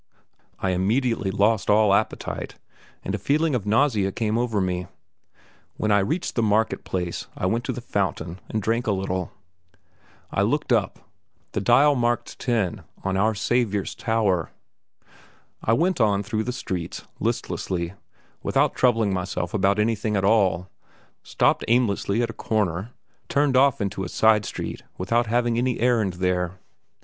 I immediately lost all appetite, and a feeling of nausea came over me. When I reached the market place I went to the fountain and drank a little. I looked up; the dial marked ten on Our Saviour's tower. I went on through the streets, listlessly, without troubling myself about anything at all, stopped aimlessly at a corner, turned off into a side street without having any errand there.